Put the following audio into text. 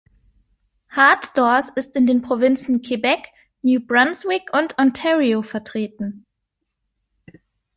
Hart Stores ist in den Provinzen Quebec, New Brunswick und Ontario vertreten.